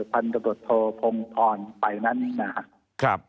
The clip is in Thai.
พันธบทโทพงธรไปนั่นเองนะครับ